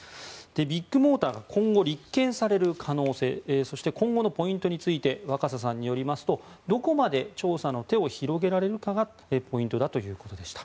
ビッグモーターが今後立件される可能性そして今後のポイントについて若狭さんによりますとどこまで調査の手を広げられるかがポイントだということでした。